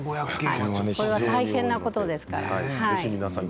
これは大変なことですから。